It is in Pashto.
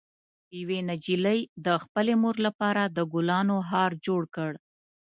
یوه نجلۍ د خپلې مور لپاره د ګلانو هار جوړ کړ.